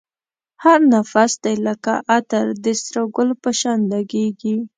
هر نفس دی لکه عطر د سره گل په شان لگېږی